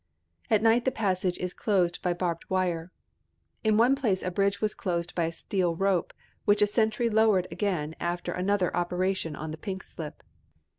At night the passage is closed by barbed wire. In one place a bridge was closed by a steel rope, which a sentry lowered after another operation on the pink slip.